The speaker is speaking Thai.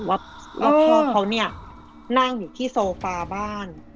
ว่าพ่อเขาเนี่ยนั่งอยู่ที่โซฟาบ้าน